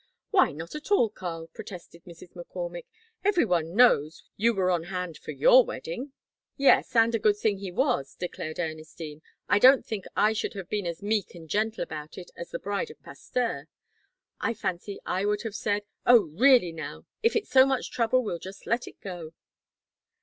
"Why, not at all, Karl," protested Mrs. McCormick, "every one knows you were on hand for your wedding." "Yes, and a good thing he was," declared Ernestine. "I don't think I should have been as meek and gentle about it as the bride of Pasteur. I fancy I would have said: 'Oh, really now if it's so much trouble, we'll just let it go.'"